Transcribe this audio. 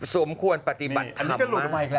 สมควรปฏิบัติธรรม